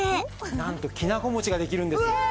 なんときな粉餅ができるんです。